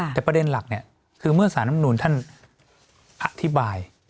แต่ประเด็นหลักคือเมื่อสารรัฐมนุนท่านอธิบาย